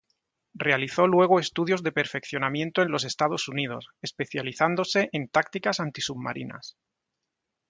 Realizó luego estudios de perfeccionamiento en los Estados Unidos, especializándose en tácticas antisubmarinas.